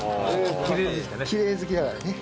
きれい好きだからね。